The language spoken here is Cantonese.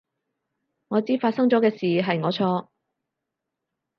我知發生咗嘅事係我錯